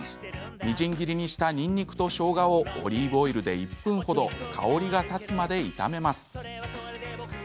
みじん切りにしたにんにくとしょうがをオリーブオイルで１分ほど香りが立つまで炒めます。